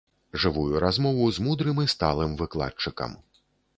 Жывую размову з мудрым і сталым выкладчыкам.